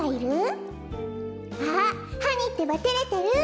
あっハニーってばてれてる。